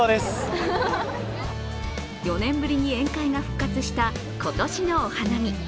４年ぶりに宴会が復活した今年のお花見。